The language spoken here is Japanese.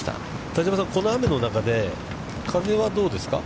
田島さん、この雨の中で風はどうですか。